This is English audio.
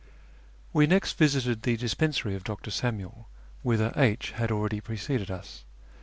We next visited the dispensary of Dr. Samuel, whither H had already preceded us.